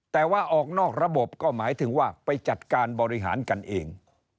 แต่ว่าออกนอกระบบก็หมายถึงว่าไปจัดการบริหารกันเอง